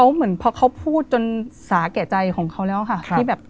เหมือนเขาพูดจนสาแกะใจของเขาแล้วค่ะ